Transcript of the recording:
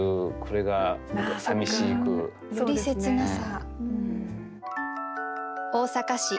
より切なさ。